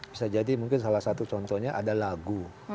bisa jadi mungkin salah satu contohnya ada lagu